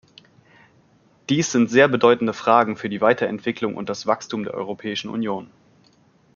Dies sind sehr bedeutende Fragen für die Weiterentwicklung und das Wachstum der Europäischen Union.